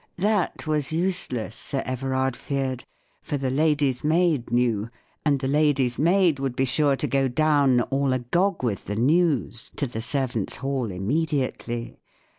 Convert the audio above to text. That was useless, Sir Everard feared, for the lady's maid knew; and the lady's maid would be sure to go down, all agog with the news, to the servants' hall immediately.